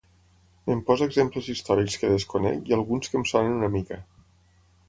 Me'n posa exemples històrics que desconec i alguns que em sonen una mica.